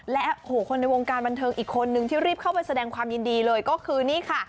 และคนในวงการบันเทิงอีกคนนึงที่รีบเข้าไปแสดงความยินดีเลยก็คือนี่ค่ะ